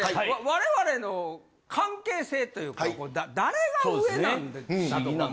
我々の関係性というか誰が上なんだとか。